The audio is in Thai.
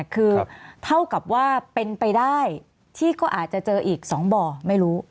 คือเท่ากับว่าเป็นไปได้ที่ก็อาจจะเจออีก๒บ่อไม่รู้